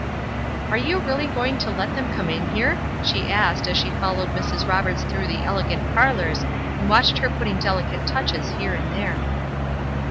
"Are you really going to let them come in here?" she asked, as she followed Mrs. Roberts through the elegant parlors, and watched her putting delicate touches here and there.